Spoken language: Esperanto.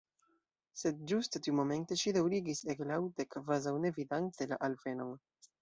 Sed ĝuste tiumomente ŝi daŭrigis ege laŭte, kvazaŭ ne vidante la alvenon.